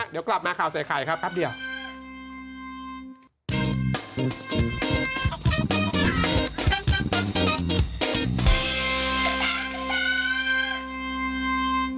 เดี๋ยวกลับมาครับแสดงใครครับ